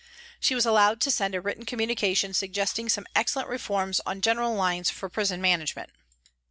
She was allowed to send a written communication suggesting some excellent reforms on general lines for prison management.